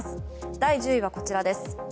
第１０位はこちらです。